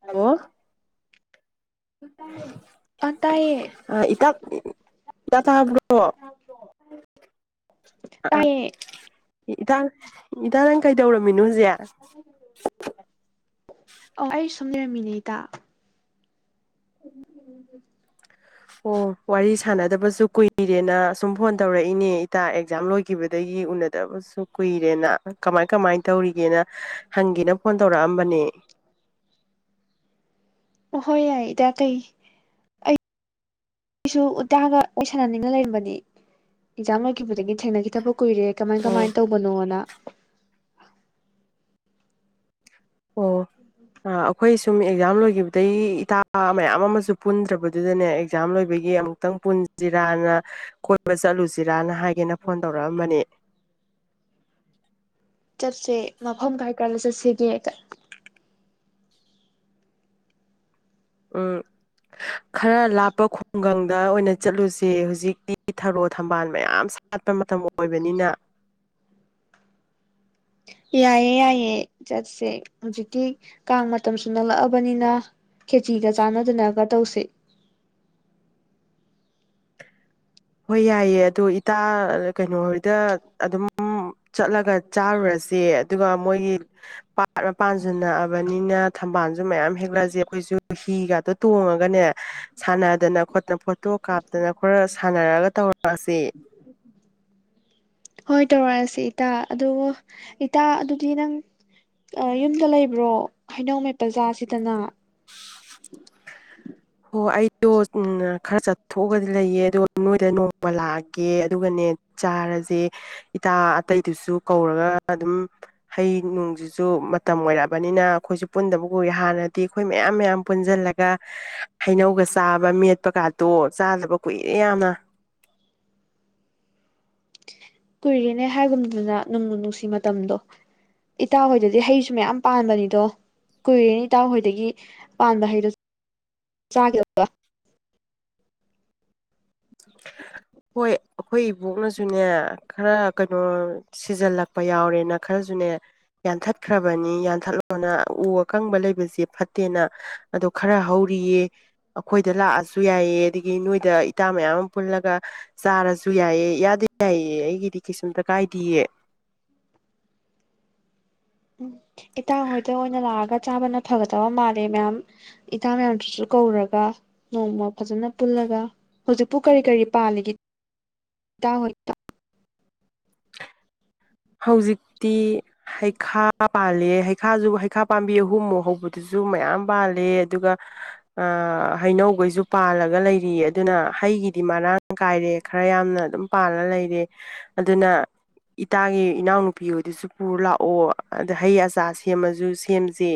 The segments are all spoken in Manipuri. ꯍꯜꯂꯣ ꯎꯝ ꯇꯥꯏꯌꯦ ꯑ ꯇꯥꯏꯌꯦ ꯑ‌ꯣ ꯏꯇꯥ ꯏꯇꯥ ꯇꯥꯕ꯭ꯔ‌ꯣ ꯑꯣ ꯑ ꯑꯥ ꯇꯥꯏꯌꯦ ꯏꯇꯥ ꯏꯇꯥ ꯅꯪ ꯀꯩꯗꯧꯔꯝꯃꯤꯅꯣ ꯍꯨꯖꯤꯛ ꯑꯣ ꯑꯩ ꯁꯨꯝ ꯂꯩꯔꯝꯃꯤꯅꯦ ꯏꯇꯥ ꯑꯣ ꯋꯥꯔꯤ ꯁꯥꯟꯅꯗꯕꯁꯨ ꯀꯨꯏꯔꯦꯅ ꯁꯨꯝ ꯐꯣꯟ ꯇꯧꯔꯛꯏꯅꯦ ꯏꯇꯥ ꯑꯦꯛꯖꯥꯝ ꯂꯣꯏꯈꯤꯕꯗꯒꯤ ꯎꯅꯗꯕꯁꯨ ꯀꯨꯏꯔꯦꯅ ꯀꯃꯥꯏ ꯀꯃꯥꯏ ꯇꯧꯔꯤꯒꯦꯅ ꯍꯪꯒꯦꯅ ꯐꯣꯟ ꯇꯧꯔꯛꯑꯝꯕꯅꯦ ꯑꯣꯍꯣꯏ ꯌꯥꯏ ꯏꯇꯥ ꯀꯩ ꯑꯩ ꯑꯩꯁꯨ ꯎꯇꯥꯒ ꯋꯥꯔꯤ ꯁꯥꯟꯅꯅꯤꯡꯉꯥ ꯂꯩꯔꯝꯕꯅꯤ ꯑꯦꯛꯖꯥꯝ ꯂꯣꯏꯈꯤꯕꯗꯒꯤ ꯊꯦꯡꯅꯈꯤꯗꯕ ꯀꯨꯏꯔꯦ ꯀꯃꯥꯏ ꯑꯣ ꯀꯃꯥꯏꯅ ꯇꯧꯕꯅꯣꯅ ꯑꯣ ꯑꯩꯈꯣꯏ ꯁꯨꯝ ꯑꯦꯛꯖꯥꯝ ꯂꯣꯏꯈꯤꯕꯗꯩ ꯏꯇꯥ ꯃꯌꯥꯝ ꯑꯃꯁꯨ ꯄꯨꯟꯗ꯭ꯔꯕꯗꯨꯗꯅꯦ ꯑꯦꯛꯖꯥꯝ ꯂꯣꯏꯕꯒꯤ ꯑꯃꯨꯛ ꯇꯪ ꯄꯨꯟꯁꯤꯔꯅ ꯀꯣꯏꯕ ꯆꯠꯂꯨꯁꯤꯔꯅ ꯍꯥꯏꯒꯦꯅ ꯐꯣꯟ ꯇꯧꯔꯛꯑꯝꯕꯅꯦ ꯆꯠꯁꯦ ꯃꯐꯝ ꯀꯥꯏ ꯀꯥꯏꯗ ꯆꯠꯁꯤꯒꯦ ꯎꯝ ꯈꯔ ꯂꯥꯞꯄ ꯈꯨꯡꯒꯪꯗ ꯑꯣꯏꯅ ꯆꯠꯂꯨꯁꯦ ꯍꯧꯖꯤꯛꯇꯤ ꯊꯔꯣ ꯊꯝꯕꯥꯜ ꯃꯌꯥꯝ ꯁꯥꯠꯄ ꯃꯇꯝ ꯑꯣꯏꯕꯅꯤꯅ ꯌꯥꯏꯑꯦ ꯌꯥꯏꯑꯦ ꯆꯠꯁꯦ ꯍꯧꯖꯤꯛꯇꯤ ꯀꯥꯡ ꯃꯇꯝꯁꯨꯨ ꯅꯠꯂꯛꯑꯕꯅꯤꯅ ꯈꯦꯆꯤꯒ ꯆꯥꯟꯅꯗꯅꯒ ꯇꯧꯁꯦ ꯍꯣꯏ ꯌꯥꯏꯌꯦ ꯑꯗꯣ ꯏꯇꯥ ꯀꯩꯅꯣꯍꯣꯏꯗ ꯑꯗꯨꯝ ꯆꯠꯂꯒ ꯆꯥꯔꯨꯔꯁꯦ ꯑꯗꯨꯒ ꯃꯣꯏꯒꯤ ꯄꯥꯠ ꯃꯄꯥꯟꯁꯤ ꯅꯛꯑꯕꯅꯤꯅ ꯊꯝꯕꯥꯜꯁꯨ ꯃꯌꯥꯝ ꯍꯦꯛꯂꯛꯑꯁꯦ ꯑꯩꯈꯣꯏꯁꯨ ꯍꯤꯒꯗ‌ꯣ ꯇꯣꯡꯉꯒꯅꯦ ꯁꯥꯟꯅꯗꯅ ꯈꯣꯠꯇꯅ ꯐꯣꯇꯣ ꯀꯥꯞꯇꯅ ꯈꯔ ꯁꯥꯟꯅꯔꯒ ꯇꯧꯔꯛꯑꯁꯤ ꯍꯣꯏ ꯇꯧꯔꯛꯑꯁꯤ ꯏꯇꯥ ꯑꯗꯨ ꯏꯇꯥ ꯑꯗꯨꯗꯤ ꯅꯪ ꯌꯨꯝꯗ ꯂꯩꯕ꯭ꯔꯣ ꯍꯩꯅꯧꯃ‌ꯦꯠꯄ‌ ꯆꯥꯁꯤꯗꯅ ꯍꯣ ꯑꯩꯗꯣ ꯈꯔ ꯆꯠꯊꯣꯛꯑꯒꯗꯤ ꯂꯩꯌꯦ ꯑꯗꯣ ꯅꯣꯏꯗ ꯅꯣꯡꯃ ꯂꯥꯛꯑꯒꯦ ꯑꯗꯨꯒꯅꯦ ꯆꯥꯔꯁꯦ ꯏꯇꯥ ꯑꯇꯩꯗꯨꯁꯨ ꯀꯧꯔꯒ ꯑꯗꯨꯝ ꯍꯩ ꯅꯨꯡꯁꯤꯁꯨ ꯃꯇꯝ ꯑꯣꯏꯔꯛꯑꯕꯅꯤꯅ ꯑꯩꯈꯣꯏꯁꯨ ꯄꯨꯟꯗꯕ ꯎꯏ ꯍꯥꯟꯅꯗꯤ ꯑꯩꯈꯣꯏ ꯃꯌꯥꯝ ꯃꯌꯥꯝ ꯄꯨꯟꯁꯤꯜꯂꯒ ꯍꯩꯅꯧꯒ ꯆꯥꯕ ꯃꯦꯠꯄꯀꯥꯇꯣ ꯆꯥꯗꯕ ꯀꯨꯏꯔꯦ ꯌꯥꯝꯅ ꯀꯨꯏꯔ‌ꯦꯅꯦ ꯍꯥꯏꯒꯨꯝꯗꯅ ꯅꯨꯡꯕꯨ ꯅꯨꯡꯁꯤ ꯃꯇꯝꯗꯣ ꯏꯇꯥ ꯍꯣꯏꯗꯨꯗꯤ ꯍꯩꯁꯨ ꯃꯌꯥꯝ ꯄꯥꯟꯕꯅꯤꯗꯣ ꯀꯨꯏꯔꯦꯅ‌ꯦ ꯏꯇꯥꯎꯍꯣꯏꯗꯒꯤ ꯄꯥꯟꯕ ꯍꯩꯗꯣꯥ ꯆꯒꯤꯗꯕ ꯍꯣꯏ ꯑꯩꯈꯣꯏ ꯏꯕꯣꯛꯅꯁꯨꯅꯦ ꯈꯔ ꯀꯩꯅꯣ ꯁꯤꯖꯜꯂꯛꯄ ꯌꯥꯎꯔꯦꯅ ꯈꯔꯁꯨꯅꯦ ꯌꯥꯟꯊꯠꯈ꯭ꯔꯕꯅꯤ ꯌꯥꯟꯊꯠꯂꯣꯅ ꯎ ꯑꯀꯪꯕ ꯂꯩꯕꯁꯦ ꯐꯠꯇꯦꯅ ꯑꯗꯣ ꯈꯔ ꯍꯧꯔꯤꯌꯦ ꯑꯩꯈꯣꯏꯗ ꯂꯥꯛꯑꯁꯨ ꯌꯥꯏꯌ‌ꯦ ꯑꯗꯒꯤ ꯅꯣꯏꯗ ꯏꯇꯥ ꯃꯌꯥꯝ ꯄꯨꯜꯂꯒ ꯆꯥꯔꯁꯨ ꯌꯥꯏꯌꯦ ꯏꯌꯥꯗ ꯌꯥꯏꯌ‌ꯦ ꯑꯩꯒꯤꯗꯤ ꯀꯩꯁꯨꯝꯇ ꯀꯥꯏꯗꯤꯌꯦ ꯎꯝ ꯏꯇꯥ ꯍꯣꯏꯗ ꯑꯣꯏꯅ ꯂꯥꯛꯑꯒ ꯆꯥꯕꯅ ꯐꯒꯗꯕ ꯃꯥꯜꯂꯦ ꯃꯌꯥꯝ ꯏꯇꯥ ꯃꯌꯥꯝꯗꯨꯁꯨ ꯀꯧꯔꯒ ꯅꯣꯡꯃ ꯐꯖꯅ ꯄꯨꯜꯂꯒ ꯍꯧꯖꯤꯛꯄꯨ ꯀꯔꯤ ꯀꯔꯤ ꯄꯥꯜꯂꯤꯒꯦ ꯍꯧꯖꯤꯛꯇꯤ ꯍꯩꯈꯥ ꯄꯥꯜꯂꯦ ꯍꯩꯈꯥꯁꯨ ꯍꯩꯈꯥ ꯄꯥꯝꯕꯤ ꯑꯍꯨꯝꯃꯨꯛ ꯍꯧꯕꯗꯨꯁꯨ ꯃꯌꯥꯝ ꯄꯜꯂꯦ ꯑꯗꯨꯒ ꯑ ꯍꯩꯅꯧꯈꯩꯁꯨ ꯄꯥꯜꯂꯒ ꯂꯩꯔꯤꯌꯦ ꯑꯗꯨꯅ ꯍꯩꯒꯤꯗꯤ ꯃꯔꯥꯡ ꯀꯥꯏꯔꯦ ꯈꯔ ꯌꯥꯝꯅ ꯑꯗꯨꯝ ꯄꯥꯅ ꯂꯩꯔꯦ ꯑꯗꯨꯅ ꯏꯇꯥꯒꯤ ꯏꯅꯥꯎꯅꯨꯄꯤ ꯍ‌ꯣꯏꯗꯨꯁꯨ ꯄꯨꯔ ꯂꯥꯛꯑꯣ ꯑꯗ ꯍꯩ ꯑꯆꯥꯔ ꯁꯦꯝꯃꯁꯨ ꯁꯦꯝꯖꯦ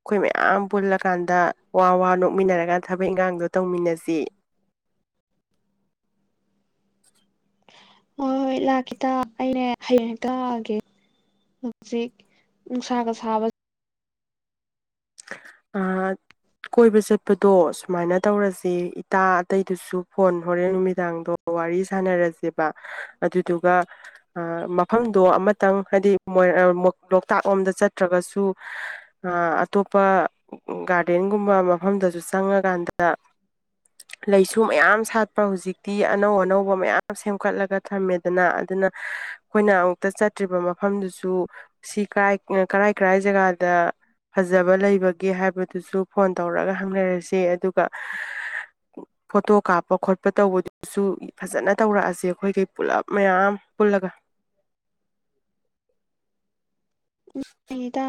ꯑꯩꯈꯣꯏ ꯃꯌꯥꯝ ꯄꯨꯜꯂꯀꯥꯟꯗ ꯋꯥ ꯋꯥ ꯅꯣꯛꯃꯤꯟꯅꯔꯒ ꯊꯕꯛ ꯏꯟꯈꯥꯡꯗꯣ ꯇꯧꯃꯤꯟꯅꯁꯤ ꯍꯣꯏ ꯍꯣꯏ ꯂꯥꯛꯀ‌ꯦ ꯏꯇꯥ ꯑꯩꯅꯦ ꯍꯌꯦꯡ ꯍꯦꯛꯇ ꯂꯥꯛꯑꯒꯦ ꯍꯧꯖꯤꯛ ꯅꯨꯡꯁꯥꯒ ꯁꯥꯕ ꯅꯍꯥꯟ ꯀꯣꯏꯕ ꯆꯠꯄꯗꯣ ꯁꯨꯃꯥꯏꯅ ꯇꯧꯔꯁꯦ ꯏꯇꯥ ꯑꯇꯩꯗꯨꯁꯨ ꯐꯣꯟ ꯍꯣꯔꯦꯟ ꯅꯨꯃꯤꯗꯥꯡꯗꯣ ꯋꯥꯔꯤ ꯁꯥꯟꯅꯔꯁꯦꯕ ꯑꯗꯨꯗꯨꯒ ꯃꯐꯝꯗꯣ ꯑꯃꯇꯪ ꯍꯥꯏꯗꯤ ꯂꯣꯛꯇꯥꯛ ꯂꯣꯝꯗ ꯆꯠꯇ꯭ꯔꯒꯁꯨ ꯑꯇꯣꯞꯄ ꯒꯥꯔꯗꯦꯟꯒꯨꯝꯕ ꯃꯐꯝꯗꯁꯨ ꯆꯪꯉꯀꯥꯟꯗ [inaudible] ꯂꯩꯁꯨ ꯃꯌꯥꯝ ꯁꯥꯠꯄ ꯍꯧꯖꯤꯛꯇꯤ ꯑꯅꯧ ꯑꯅꯧꯕ ꯃꯌꯥꯝ ꯁꯦꯝꯀꯥꯠꯂꯒ ꯊꯝꯃꯦꯗꯅ ꯑꯗꯨꯅ ꯑꯩꯈꯣꯏꯅ ꯑꯃꯨꯛꯇ ꯆꯠꯇ꯭ꯔꯤꯕ ꯃꯐꯝꯗꯨꯁꯨ ꯁꯤ ꯀꯥꯏ ꯀꯔꯥꯏ ꯀꯔꯥꯏ ꯖꯒꯥꯗ ꯐꯖꯕ ꯂꯩꯕꯒꯦ ꯍꯥꯏꯕꯗꯨꯁꯨ ꯐꯣꯟ ꯇꯧꯔꯒ ꯍꯪꯅꯔꯁꯤ ꯑꯗꯨꯒ ꯐꯣꯇꯣ ꯀꯥꯞꯄ ꯈꯣꯠꯄ ꯇꯧꯕꯗꯤ ꯁꯨ ꯐꯖꯅ ꯇꯧꯔꯛꯑꯁꯦ ꯑꯩꯈꯣꯏꯈꯩ ꯄꯨꯂꯞ ꯃꯌꯥꯝ ꯄꯨꯜꯂꯒ ꯑꯩꯗ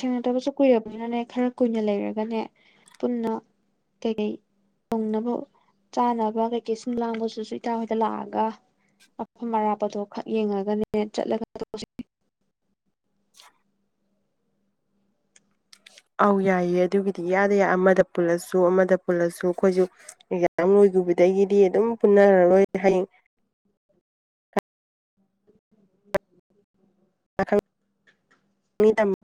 ꯊꯦꯡꯅꯗꯕꯁꯨ ꯀꯨꯏꯔꯕꯅꯤꯅꯅꯦ ꯈꯔ ꯀꯨꯏꯅ ꯂꯩꯔꯒꯅꯦ ꯄꯨꯟꯅ ꯀ ꯐꯪꯅꯕ ꯆꯥꯅꯕ ꯀꯩꯀꯩ ꯁꯨꯝ ꯂꯥꯡꯕꯗꯨꯁꯨ ꯏꯇ ꯍꯣꯏꯗ ꯂꯥꯛꯑꯒ ꯑꯐꯝ ꯑꯔꯥꯞꯄꯗꯣ ꯈꯛ ꯌꯦꯡꯉꯒꯅꯦ ꯆꯠꯂꯒ ꯑꯧ ꯌꯥꯏꯌꯦ ꯑꯗꯨꯒꯤꯗꯤ ꯌꯥꯗ ꯌꯥ ꯑꯃꯗ ꯄꯨꯜꯂꯁꯨ ꯑꯃꯗ ꯄꯨꯜꯂꯁꯨ ꯑꯩꯈꯣꯏꯁꯨ ꯑꯦꯛꯖꯥꯝ ꯂꯣꯏꯕꯗꯒꯤꯗꯤ ꯑꯗꯨꯝ ꯄꯨꯟꯅꯔꯔꯣꯏ ꯍꯌꯦꯡ ꯎ ꯃ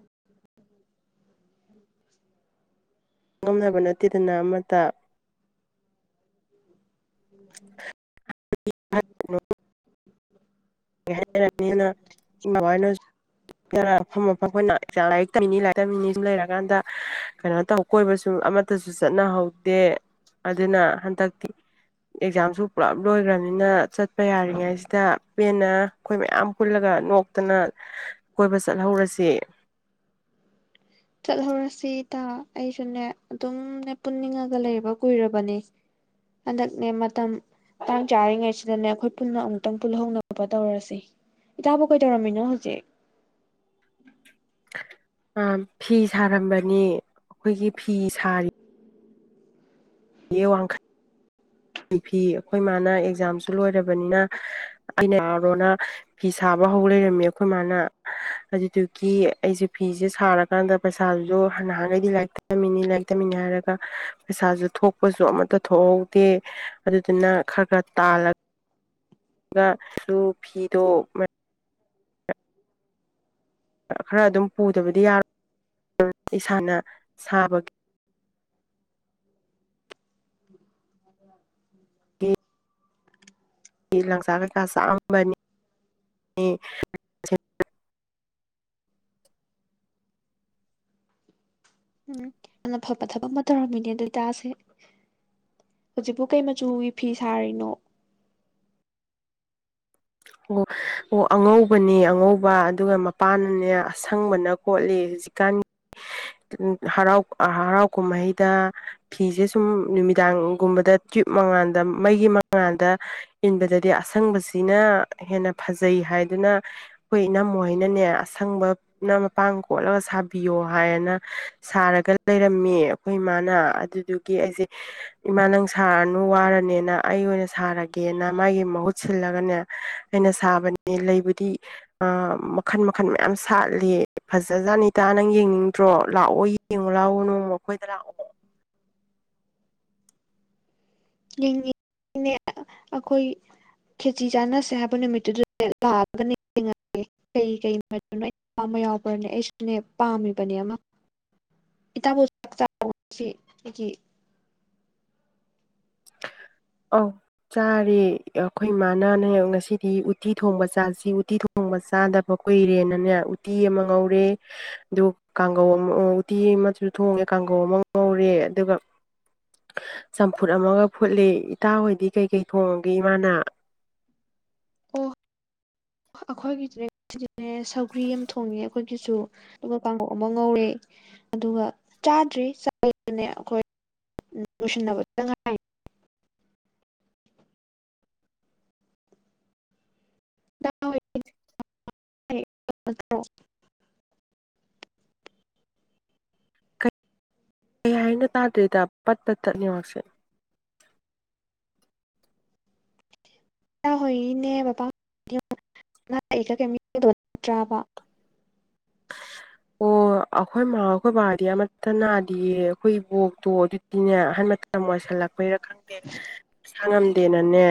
ꯉꯝꯅꯕ ꯅꯠꯇꯦꯗꯅ ꯑꯃꯠꯇ ꯎꯝ ꯎꯝ [inaudible] ꯍꯥꯏꯔꯅꯤꯅ ꯕꯥꯅ ꯈꯐꯝ ꯃꯐꯝꯅꯛꯥꯡ ꯂꯥꯏꯔꯤꯛꯝ ꯇꯃꯤꯅꯤ ꯁꯨꯝ ꯂꯩꯔꯀꯥꯟꯗ ꯀꯩꯅꯣ ꯇꯧ ꯀꯣꯏꯕ ꯁꯨꯝ ꯑꯃꯠꯇ ꯁꯨ ꯆꯠꯅꯍꯧꯗꯦ ꯑꯗꯨꯅ ꯍꯟꯗꯛꯇꯤ ꯑꯦꯛꯖꯥꯝꯁꯨ ꯄꯨꯂꯞ ꯂꯣꯏꯈ꯭ꯔꯕꯅꯤꯅ ꯆꯠꯄ ꯌꯥꯔꯤꯉꯩꯁꯤꯗ ꯄꯦꯟꯅ ꯑꯩꯈꯣꯏ ꯃꯌꯥꯝ ꯄꯨꯜꯂꯒ ꯅꯣꯛꯇꯅ ꯀꯣꯏꯕ ꯆꯠꯍꯧꯔꯁꯤ ꯆꯠꯍꯧꯔꯁꯤꯗ ꯑꯩꯁꯨꯅꯦ ꯑꯗꯨꯝꯅꯦ ꯄꯨꯟꯅꯤꯡꯉꯒ ꯂꯩꯕ ꯀꯨꯏꯔꯕꯅꯦ ꯍꯟꯗꯛꯅꯦ ꯃꯇꯝ ꯇꯥꯡ ꯆꯥꯔꯤꯉꯩꯁꯤꯗꯅꯦ ꯑꯩꯈꯣꯏ ꯄꯨꯟꯅ ꯑꯃꯨꯛꯇꯪ ꯄꯨꯜꯍꯧꯅꯕ ꯇꯧꯔꯁꯤ ꯏꯇꯥꯕꯨ ꯀꯩ ꯇꯧꯔꯝꯃꯤꯅꯣ ꯍꯧꯖꯤꯛ ꯐꯤ ꯁꯥꯔꯝꯕꯅꯤ ꯑꯩꯈꯣꯏꯒꯤ ꯐꯤ ꯁꯥꯔꯤ ꯌꯦꯡꯪꯈ ꯐꯤ ꯑꯩꯈꯣꯏ ꯏ ꯃꯥꯅ ꯑꯦꯛꯖꯥꯝꯁꯨ ꯂꯣꯏꯔꯕꯅꯤꯅ ꯑꯩꯅ ꯌꯥꯔꯣꯅ ꯐꯤ ꯁꯥꯕ ꯍꯧ ꯂꯩꯔꯝꯃꯦ ꯑꯩꯈꯣꯏ ꯃꯥꯅ ꯑꯗꯨꯗꯨꯒꯤ ꯑꯩꯁꯦ ꯐꯤꯁꯦ ꯁꯥꯔ ꯀꯥꯟꯗ ꯄꯩꯁꯥꯗꯨꯁꯨ ꯅꯍꯥꯟꯅꯩꯗꯤ ꯂꯥꯏꯔꯤꯛ ꯇꯝꯃꯤꯅꯤ ꯂꯥꯏꯔꯤꯛ ꯇꯝꯃꯤꯅꯤ ꯍꯥꯏꯔꯒ ꯄꯩꯁꯥꯁꯨ ꯊꯣꯛ ꯊꯣꯛꯄꯁꯨ ꯑꯃꯠꯇ ꯊꯣꯛꯍꯧꯗꯦ ꯑꯗꯨꯗꯨꯅ ꯈꯔ ꯈꯔ ꯇꯥꯜꯂꯒ ꯁꯨ ꯐꯤꯗꯣ ꯈꯔ ꯑꯗꯨꯝ ꯄꯨꯗꯕꯗꯤ ꯌꯥꯔꯣꯏ ꯏꯁꯥꯅ ꯁꯥꯕꯒꯤ ꯂꯥꯡꯁꯥꯡ ꯀꯩꯀꯥ ꯆꯥꯛꯑꯝꯕꯅꯤ ꯎꯝ ꯌꯥꯝꯅ ꯐꯕ ꯊꯕꯛ ꯑꯃ ꯇꯧꯔꯝꯃꯤꯅꯦ ꯑꯗꯨꯇꯥꯥꯁꯦ ꯍꯧꯖꯤꯛꯄꯨ ꯀꯩ ꯃꯆꯨꯒꯤ ꯐꯤ ꯁꯥꯔꯤꯅꯣ ꯎ ꯑꯣ ꯑꯉꯧꯕꯅꯦ ꯑꯉꯧꯕ ꯑꯗꯨꯒ ꯃꯄꯥꯟꯅꯅꯦ ꯑꯁꯪꯕꯅ ꯀꯣꯠꯂꯦ ꯍꯧꯖꯤꯛꯀꯥꯟꯒꯤ ꯍꯔꯥꯎ ꯍꯔꯥꯎ ꯀꯨꯝꯍꯩꯗ ꯐꯤꯁꯦ ꯁꯨꯝ ꯅꯨꯃꯤꯗꯥꯡꯒꯨꯝꯕꯗ ꯇ꯭ꯌꯨꯞ ꯃꯉꯥꯜꯗ ꯃꯩꯒꯤ ꯃꯉꯥꯥꯟꯗ ꯏꯟꯕꯗꯗꯤ ꯑꯁꯪꯕꯁꯤꯅ ꯍꯦꯟꯅ ꯐꯖꯩ ꯍꯥꯏꯗꯨꯅ ꯑꯩꯈꯣꯏ ꯏ ꯅꯝꯃꯣꯣꯏꯅꯅꯦ ꯑꯁꯪꯕꯅ ꯃꯄꯥꯡ ꯀꯣꯠꯂꯒ ꯁꯥꯕꯤꯌꯣ ꯍꯥꯏꯅ ꯁꯥꯔꯒ ꯂꯩꯔꯝꯃꯤ ꯑꯩꯈꯣꯏ ꯏꯃꯥꯅ ꯑꯗꯨꯗꯨꯒꯤ ꯑꯩꯁꯦ ꯏꯃꯥ ꯅꯪ ꯁꯥꯔꯅꯨ ꯋꯥꯔꯅꯦꯅ ꯑꯩ ꯑꯣꯏꯅ ꯁꯥꯔꯒꯦꯅ ꯃꯥꯒꯤ ꯃꯍꯨꯠ ꯁꯤꯜꯂꯒꯅꯦ ꯑꯩꯅ ꯁꯥꯕꯅꯦ ꯂꯩꯕꯨꯗꯤ ꯑꯥ ꯃꯈꯟ ꯃꯈꯟ ꯃꯌꯥꯝ ꯁꯥꯠꯂꯤ ꯐꯖꯖꯥꯠꯅꯤ ꯏꯇꯥ ꯅꯪ ꯌꯦꯡꯅꯤꯡꯗ꯭ꯔꯣ ꯂꯥꯛꯑꯣ ꯌꯦꯡ ꯌꯦꯡꯉꯨ ꯂꯥꯛꯑꯣ ꯅꯣꯡꯃ ꯑꯩꯈꯣꯏꯗ ꯂꯥꯛꯑꯣ ꯌꯦꯡꯉ ꯑꯩꯈꯣꯏ ꯈꯦꯆꯤ ꯆꯥꯟꯅꯁꯦ ꯍꯥꯏꯕ ꯅꯨꯃꯤꯠꯇꯨꯗ ꯂꯥꯛꯑꯒꯉꯒꯦ ꯀꯩ ꯀꯩ ꯃ [unintelligible] ꯑꯩ ꯄꯥꯝꯕ ꯌꯥꯎꯕ꯭ꯔꯅꯦ ꯑꯩꯁꯨꯅꯦ ꯄꯥꯝꯃꯤꯕꯅꯦ ꯑꯃ ꯏꯇꯥꯕꯣ ꯆꯥꯛ ꯆꯁꯤ ꯑꯩꯒꯤ ꯑ ꯆꯥꯔꯦ ꯑꯩꯈꯣꯏ ꯏꯃꯥꯅꯅꯦ ꯉꯁꯤꯗꯤ ꯎꯇꯤ ꯊꯣꯡꯕ ꯆꯥꯁꯤ ꯎꯇꯤ ꯊꯣꯡ ꯂꯣꯡꯕ ꯆꯥꯗꯕ ꯀꯨꯏꯔꯦꯅꯅꯦ ꯎꯇꯤ ꯑꯃ ꯉꯧꯔꯦ ꯑꯗꯨ ꯀꯥꯡꯒꯧ ꯑꯃ ꯎꯇꯤ ꯑꯃꯁꯨ ꯊꯣꯡꯉꯦ ꯀꯥꯡꯒꯧ ꯑꯃ ꯉꯧꯔꯦ ꯑꯗꯨꯒ ꯆꯝꯐꯨꯠ ꯑꯃꯒ ꯐꯨꯠꯂꯤ ꯏꯇꯥ ꯍꯣꯏꯗꯤ ꯀꯩꯀꯩ ꯊꯣꯡꯉꯒꯦ ꯏꯃꯥꯅ ꯑꯣ ꯑꯩꯈꯣꯏꯒꯤ ꯗꯤꯅꯦ ꯉꯁꯤꯗꯤꯅꯦ ꯁꯧꯒ꯭ꯔꯤ ꯑꯃ ꯊꯣꯡꯉꯦ ꯑꯩꯈꯣꯏꯒꯤꯖꯨ ꯑꯗꯨꯒ ꯀꯥꯡꯕꯧ ꯑꯃ ꯉꯧꯔꯦ ꯑꯗꯨꯒ ꯆꯥꯗ꯭ꯔꯤ ꯆꯥ [unintelligible] ꯅꯦ ꯑꯩꯈꯣꯏ ꯨꯁ ꯅꯕꯪ [unintelligible] ꯀꯩ ꯍꯥꯏꯅ ꯇꯥꯗ꯭ꯔꯦꯗ ꯄꯠꯄ ꯇꯠꯅꯦꯍꯥꯛꯁꯦ ꯏꯥ ꯍꯣꯏꯒꯤꯅꯦ ꯕꯕꯥꯒ ꯀꯩꯠꯇ꯭ꯔꯥꯕ ꯑꯣ ꯑꯣ ꯑꯩꯈꯣꯏꯃꯥ ꯑꯩꯈꯣꯏ ꯕꯥꯗꯤ ꯑꯃꯠꯇ ꯅꯥꯗꯤꯌꯦ ꯑꯩꯈꯣꯏ ꯏ ꯕꯣꯛꯇꯣ ꯑꯗꯨꯗꯤꯅꯦ ꯑꯍꯟ ꯃꯇꯝ ꯑꯣꯏꯁꯜꯂꯛꯄ ꯀꯩꯔ ꯈꯪꯗꯦ ꯁꯥꯡꯉꯝꯗꯦꯅꯅꯦ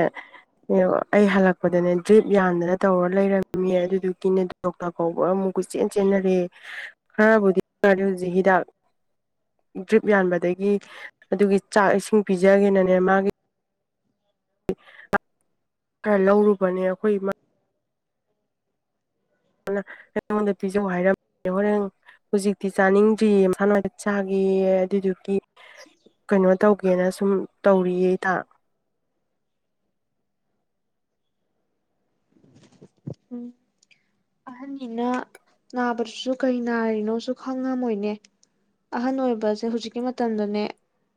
ꯅꯦ ꯑꯩ ꯍꯜꯂꯛꯄꯗꯅꯦ ꯗ꯭ꯔꯤꯞ ꯌꯥꯟꯗꯅ ꯇꯧꯔ ꯂꯩꯔꯝꯃꯦ ꯑꯗꯨꯗꯨꯒꯤꯅꯦ ꯗꯣꯛꯇꯔ ꯀꯥꯎꯕꯥ ꯑꯃꯨꯛ ꯀꯣꯏꯆꯦ ꯆꯦꯟ ꯆꯦꯟꯅꯔꯦ ꯈꯔꯕꯨꯗꯤꯔꯦ ꯍꯧꯖꯤꯛ ꯍꯤꯗꯥꯛ ꯗ꯭ꯔꯤꯞ ꯌꯥꯟꯕꯗꯒꯤ ꯑꯗꯨꯒꯤ ꯆꯥꯛ ꯏꯁꯤꯡ ꯄꯤꯖꯒꯦꯅꯅꯦ ꯃꯥꯒꯤ ꯑ ꯂꯧꯔꯨꯕꯅꯦ ꯑꯩꯈꯣꯏ ꯏ ꯑꯩꯉꯣꯟꯗ ꯄꯤꯖ ꯍꯥꯏꯔꯝꯃꯦ ꯍꯣꯔꯦꯟ ꯍꯧꯖꯤꯛꯇꯤ ꯆꯥꯅꯤꯡꯗ꯭ꯔꯤꯌꯦ ꯃꯁꯥꯅꯋꯥꯏꯗ ꯆꯥꯒ ꯑꯗꯨꯗꯨꯒꯤ ꯀꯩꯅꯣ ꯇꯧꯒꯦꯅ ꯁꯨꯝ ꯇꯧꯔꯤꯌꯦꯗ ꯎꯝ ꯑꯍꯟꯅꯤꯅ ꯅꯥꯕꯗꯨꯁꯨ ꯀꯩ ꯅꯥꯔꯤꯅꯣꯁꯨ ꯈꯪꯉꯝꯃꯣꯏꯅꯦ ꯑꯍꯟ ꯑꯣꯏꯕꯁꯦ ꯍꯧꯖꯤꯛꯀꯤ ꯃꯇꯝꯗꯅꯦ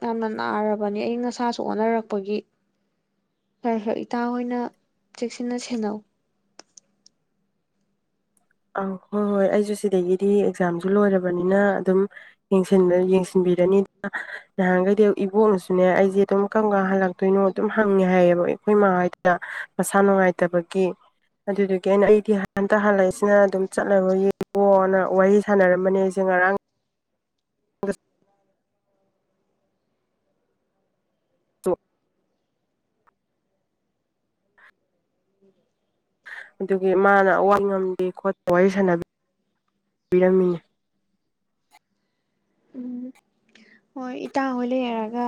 ꯌꯥꯝꯅ ꯅꯥꯔꯕꯅꯤ ꯑꯏꯪ ꯑꯁꯥꯁꯨ ꯑꯣꯟꯅꯔꯛꯄꯒꯤ ꯈꯔ ꯈꯔ ꯏꯇꯥ ꯍꯣꯏꯅ ꯆꯦꯛꯁꯤꯟꯅ ꯁꯦꯟꯅꯧ ꯑꯧ ꯍꯣꯏ ꯍꯣꯏ ꯑꯩꯁꯨ ꯁꯤꯗꯒꯤꯗꯤ ꯑꯦꯛꯖꯥꯝꯁꯨ ꯂꯣꯏꯔꯕꯅꯤꯅ ꯑꯗꯨꯝ ꯌꯦꯡ ꯌꯦꯡꯁꯤꯟꯕꯤꯔꯅꯤꯗꯅ ꯅꯍꯥꯟꯈꯩꯗꯤ ꯏꯕꯣꯛꯅꯁꯨꯅꯦ ꯑꯩꯁꯦ ꯑꯗꯨꯝ ꯀꯔꯝ ꯀ ꯍꯜꯂꯛꯇꯣꯏꯅꯣ ꯑꯗꯨꯝ ꯍꯪꯉꯦ ꯍꯥꯏꯌꯦꯕ ꯑꯩꯈꯣꯏ ꯃꯥ ꯃꯁꯥ ꯅꯨꯡꯉꯥꯏꯇꯕꯒꯤ ꯑꯗꯨꯗꯨꯒꯤ ꯑꯩꯅ ꯑꯩꯗꯤ ꯍꯟꯇ ꯍꯜꯂꯛꯏꯁꯦ ꯁꯤꯅ ꯑꯗꯨꯝ ꯆꯠꯂꯕ ꯌꯦꯡꯀꯣꯅ ꯋꯥꯔꯤ ꯁꯥꯟꯅꯔꯝꯕꯅꯦꯁꯦ ꯉꯔꯥꯡ ꯑ ꯑꯗꯨꯒꯤ ꯃꯥꯅ ꯑꯋꯥ ꯉꯝꯗꯦ ꯈꯣꯠꯄ ꯋꯥꯔꯤ ꯁꯥꯟꯅꯕꯤꯔꯝꯃꯤꯅꯤ ꯎꯝ ꯍꯣꯏ ꯏꯇꯥꯡ ꯍꯣꯏ ꯂꯩꯔꯒ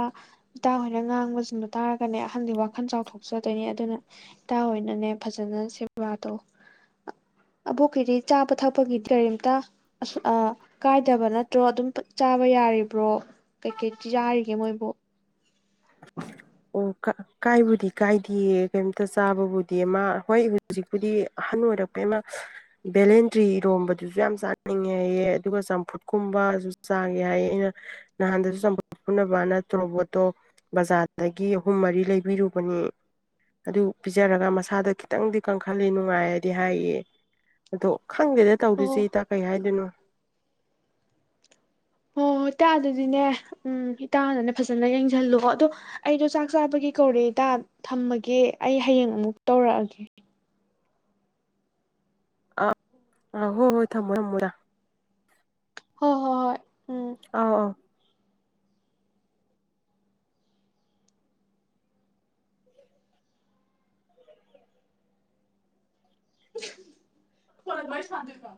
ꯏꯇꯥꯥꯎ ꯍꯣꯏꯅ ꯉꯥꯡꯕꯁꯤꯡꯗꯨ ꯇꯥꯔꯒꯅꯦ ꯑꯍꯟꯗꯤ ꯋꯥꯈꯜ ꯆꯥꯎꯊꯣꯛ ꯆꯗꯣꯏꯅꯦ ꯑꯗꯨꯅ ꯏꯇꯥ ꯍꯅꯅꯦ ꯐꯖꯅ ꯁꯦꯕꯥꯗꯣ ꯑ ꯑꯕꯣꯛꯀꯤꯗꯤ ꯆꯥꯕ ꯊꯛꯄꯒꯤꯗꯤ ꯀꯔꯤꯝꯇ ꯑꯁ ꯑ ꯀꯥꯏꯗꯕ ꯅꯠꯇ꯭ꯔꯣ ꯑꯗꯨꯝ ꯆꯥꯕ ꯌꯥꯔꯤꯕ꯭ꯔꯣ ꯀꯩꯀꯩꯤ ꯌꯥꯥꯔꯤꯒꯦ ꯃꯣꯏꯕꯨ ꯑꯣ ꯀꯥ ꯀꯥꯏꯕꯨꯗꯤ ꯀꯥꯏꯗꯦꯌꯦ ꯀꯩꯝꯇ ꯆꯥꯕꯕꯨꯗꯤ ꯃꯥ ꯍꯣꯏ ꯍꯧꯖꯤꯛꯄꯨꯗꯤ ꯑꯍꯟ ꯑꯣꯏꯔꯛꯄꯩ ꯃꯥ ꯚꯦꯂꯦꯟꯇ꯭ꯔꯤ ꯏꯔꯣꯝꯕꯗꯨꯁꯨ ꯌꯥꯝ ꯆꯥꯅꯤꯡꯉꯦ ꯍꯥꯏꯌꯦ ꯑꯗꯨꯒ ꯆꯝꯐꯨꯠ ꯀꯨꯝꯕꯁꯨ ꯆꯥꯉꯦ ꯍꯥꯏꯌꯦ ꯑꯩꯅ ꯅꯍꯥꯟꯗꯦꯁꯨꯄꯅ ꯅ ꯊꯕꯣ ꯖꯥ ꯑꯗꯒꯤ ꯑꯍꯨꯝ ꯃꯔꯤ ꯂꯩꯕꯤꯔꯨꯕꯅꯦ ꯑꯗꯨ ꯄꯤꯖꯔꯒ ꯃꯁꯥꯗ ꯈꯤꯇꯪꯗꯤ ꯀꯟꯈꯠꯜꯂꯤ ꯅꯨꯡꯉꯥꯏꯔꯗꯤ ꯍꯥꯏꯌꯦ ꯑꯗꯣ ꯈꯪꯗꯦꯗ ꯑꯣ ꯇꯧꯗꯣꯏꯁꯤꯦ ꯏꯇꯥ ꯀꯩ ꯍꯥꯏꯗꯣꯏꯅꯣ ꯍꯣꯏ ꯍꯣꯏ ꯇꯥ ꯑꯗꯨꯗꯤꯅꯦ ꯎꯝ ꯏꯇꯥꯅꯅꯦ ꯐꯖꯅ ꯌꯦꯡꯁꯜꯂꯨꯀꯣ ꯑꯗꯣ ꯑꯩꯗꯣ ꯆꯥꯛ ꯆꯥꯕꯒꯤ ꯀꯧꯔꯦ ꯏꯇꯥ ꯊꯝꯃꯒꯦ ꯑꯩ ꯍꯌꯦꯡ ꯑꯃꯨꯛ ꯇꯧꯔꯛꯑꯒꯦ ꯑ ꯑ ꯍꯣ ꯍꯣꯏ ꯊꯝꯃꯣ ꯊꯝꯃꯗ ꯍꯣꯏ ꯍꯣꯏ ꯍꯣꯏ ꯎꯝ ꯑ ꯑ ꯐꯂꯏ ꯁꯥꯟꯇ ꯊ